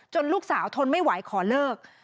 ลูกสาวทนไม่ไหวขอเลิก